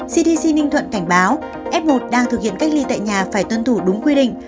cdc ninh thuận cảnh báo f một đang thực hiện cách ly tại nhà phải tuân thủ đúng quy định